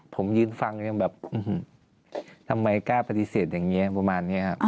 ผมยืนฟังยังแบบทำไมกล้าปฏิเสธอย่างนี้ประมาณนี้ครับ